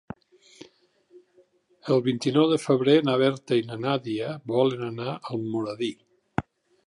El vint-i-nou de febrer na Berta i na Nàdia volen anar a Almoradí.